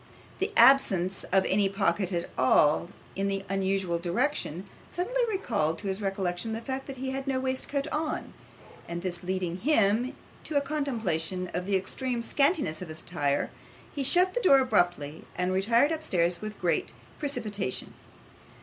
The absence of any pocket at all in the usual direction, suddenly recalled to his recollection the fact that he had no waistcoat on; and this leading him to a contemplation of the extreme scantiness of his attire, he shut the door abruptly, and retired upstairs with great precipitation.